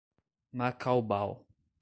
Macaubal